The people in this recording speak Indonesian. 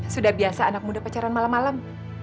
sudah biasa anak muda pacaran malam malam